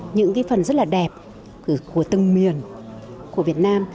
những cái phần rất là đẹp của từng miền của việt nam